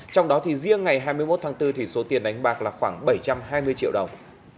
trong đó thì riêng ngày hai mươi một tháng bốn thì số tiền đánh bạc là khoảng bảy trăm hai mươi triệu đồng